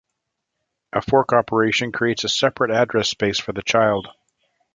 The fork operation creates a separate address space for the child.